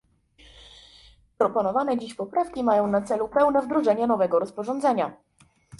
Proponowane dziś poprawki mają na celu pełne wdrożenie nowego rozporządzenia